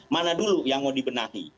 mana dulu yang mau dibenahi